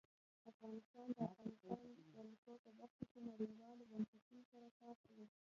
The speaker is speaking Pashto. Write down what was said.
افغانستان د د افغانستان جلکو په برخه کې نړیوالو بنسټونو سره کار کوي.